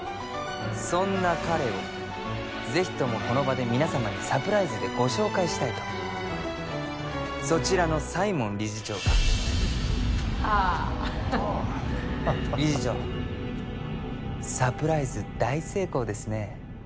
そんな彼をぜひともこの場で皆様にサプライズでご紹介したいとそちらの西門理事長が・ああ理事長サプライズ大成功ですね